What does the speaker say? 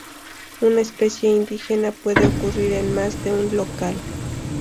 Una especie indígena puede ocurrir en más de un local.